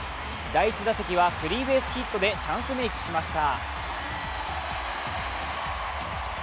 第１打席はスリーベースヒットでチャンスメークしました。